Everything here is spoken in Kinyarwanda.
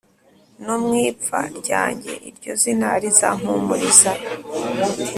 nomu ipfa ryanjye iryozina rizampumuriza